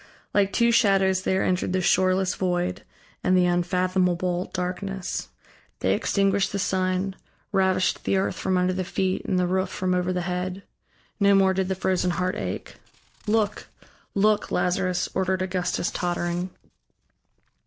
Like two shadows there entered the shoreless void and the unfathomable darkness; they extinguished the sun, ravished the earth from under the feet, and the roof from over the head. No more did the frozen heart ache. "Look, look, Lazarus," ordered Augustus tottering.